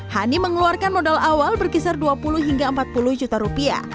hani mengeluarkan modal awal berkisar dua puluh hingga empat puluh juta rupiah